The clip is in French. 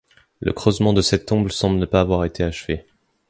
Le creusement de cette tombe semble ne pas avoir été achevé.